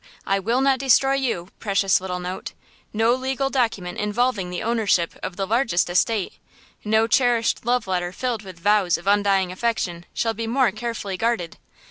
I will not destroy you, precious little note! No legal document involving the ownership of the largest estate, no cherished love letter filled with vows of undying affection, shall be more carefully guarded!